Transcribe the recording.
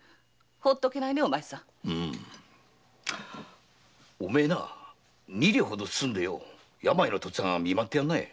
うん。お前二両ほど包んで病の父っつぁんを見舞ってやんなよ。